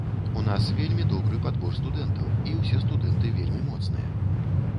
У нас вельмі добры падбор студэнтаў, і ўсе студэнты вельмі моцныя.